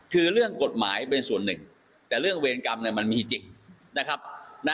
คือเรื่องกฎหมายเป็นส่วนหนึ่งแต่เรื่องเวรกรรมมันมีจริงนะครับ